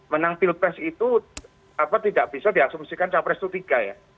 menang pilpres itu tidak bisa diasumsikan capres itu tiga ya